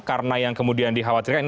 karena yang kemudian dikhawatirkan